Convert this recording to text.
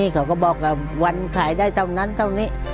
เขาก็บอกว่าวันขายได้เท่านั้นเท่านี้